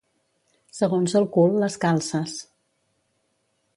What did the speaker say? Segons el cul, les calces.